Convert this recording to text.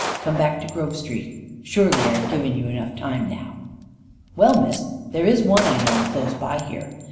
Come back to Grove Street; surely, I have given you time enough now." "Well, Miss, there is one I know close by here.